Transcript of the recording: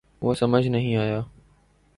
وہ سمجھ نہیں آیا